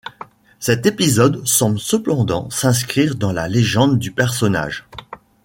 Cet épisode semble cependant s'inscrire dans la légende du personnage.